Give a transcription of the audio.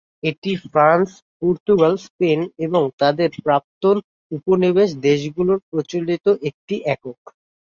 এটি France, Portugal, Spain এবং তাদের প্রাক্তন উপনিবেশ দেশগুলোতে প্রচলিত একটি একক।